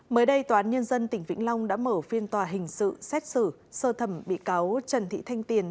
mới đây tòa án nhân dân tỉnh vĩnh long đã mở phiên tòa hình sự xét xử sơ thẩm bị cáo trần thị thanh tiền